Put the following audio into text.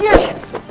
saya akan menang